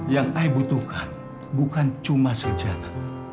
yang ai butuhkan bukan cuma sejarah